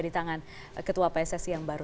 di tangan ketua pssi yang baru